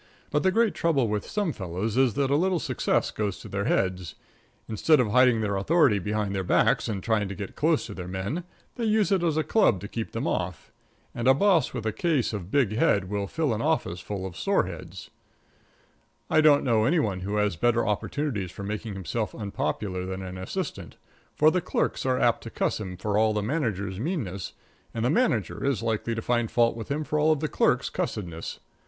But the great trouble with some fellows is that a little success goes to their heads. Instead of hiding their authority behind their backs and trying to get close to their men, they use it as a club to keep them off. And a boss with a case of big head will fill an office full of sore heads. I don't know any one who has better opportunities for making himself unpopular than an assistant, for the clerks are apt to cuss him for all the manager's meanness, and the manager is likely to find fault with him for all the clerks' cussedness.